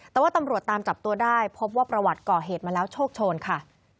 แต่ว่าตำรวจตามจับตัวได้พบว่าประวัติก่อเหตุมาแล้วโชคโชนค่ะ